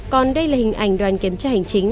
còn đây là hình ảnh đoàn kiểm tra hành chính